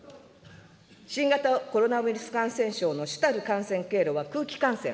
新型コロナウイルス感染症の主たる感染経路は空気感染。